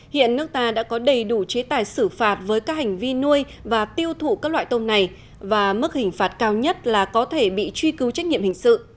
hiện nước ta đã có đầy đủ chế tài xử phạt với các hành vi nuôi và tiêu thụ các loại tôm này và mức hình phạt cao nhất là có thể bị truy cứu trách nhiệm hình sự